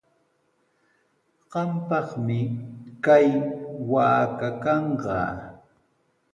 Qampaqmi kay waaka kanqa.